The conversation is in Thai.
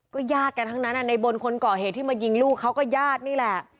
ญาติกันทั้งนั้นในบนคนก่อเหตุที่มายิงลูกเขาก็ญาตินี่แหละ